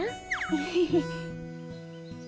エヘヘ。